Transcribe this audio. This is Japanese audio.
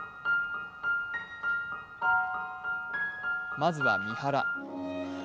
まずは三原。